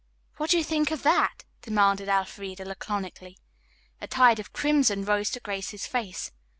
"What do you think of that?" demanded Elfreda laconically. A tide of crimson rose to Grace's face.